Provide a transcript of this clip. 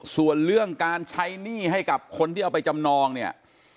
ส่วนเรื่องการใช้หนี้ให้กับคนที่เอาไปจำนองเนี่ย